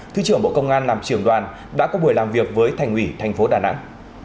thứ trưởng bộ công an làm trưởng đoàn đã có buổi làm việc với thành ủy thành phố đà nẵng